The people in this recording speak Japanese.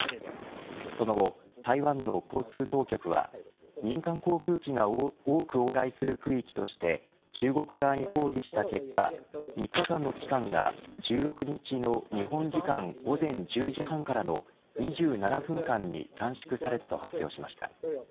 その後、台湾の交通当局は民間航空機が多く往来する区域として中国側に抗議した結果３日間の期間が１６日の日本時間午前１０時半からの２７分間に短縮されたと発表しました。